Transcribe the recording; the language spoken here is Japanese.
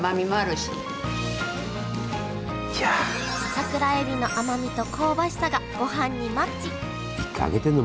桜えびの甘みと香ばしさがごはんにマッチ！